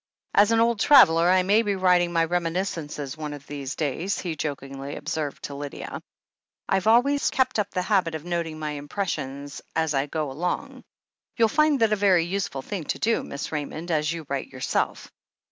"As an old traveller, I may be writing my reminis cences one of these days," he jokingly observed to Lydia. "I've always kept up the habit of noting my impressions as I go along. You'll find that a very use ful thing to do. Miss Raymond, as you write yourself."